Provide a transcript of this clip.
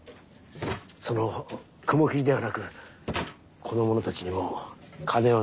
その雲霧ではなくこの者たちにも金を盗まれぬよう。